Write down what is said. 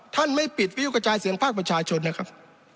ท่านไม่ปิดวิวกระจายเสียงภาคประชาชนนะครับ